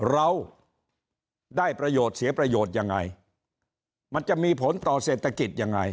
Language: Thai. เราได้ประโยชน์เสียประโยชน์ยังไงมันจะมีผลต่อเศรษฐกิจยังไง